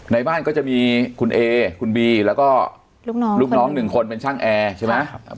ในบ้านก็จะมีคุณเอคุณบีแล้วก็ลูกน้องหนึ่งคนเป็นช่างแอร์ใช่ไหม